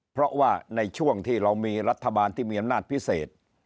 เพราะว่าในช่วงที่เรามีรัฐบาลที่มีอำนาจพิเศษ